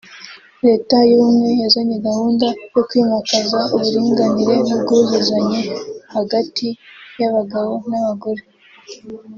Leta y’Ubumwe yazanye gahunda yo kwimakaza uburinganire n’ubwuzuzanye hagati y’Abagabo n’abagore